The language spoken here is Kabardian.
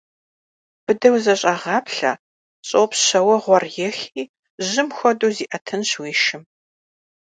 Быдэу зэщӏэгъаплъэ, щӏопщ щэ уэгъуэр ехи, жьым хуэдэу зиӏэтынщ уи шым.